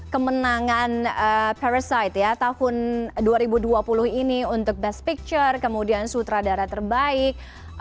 kemenangan parasite ya tahun dua ribu dua puluh ini untuk best picture kemudian sutradara terbaik